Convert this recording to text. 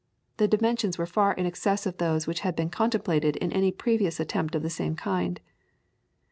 The dimensions were far in excess of those which had been contemplated in any previous attempt of the same kind.